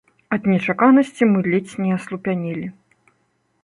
Ад нечаканасці мы ледзь не аслупянелі.